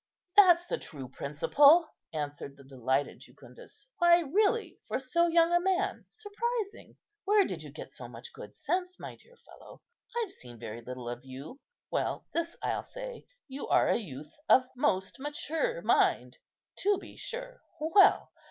"That's the true principle," answered the delighted Jucundus. "Why, really, for so young a man, surprising! Where did you get so much good sense, my dear fellow? I've seen very little of you. Well, this I'll say, you are a youth of most mature mind. To be sure! Well!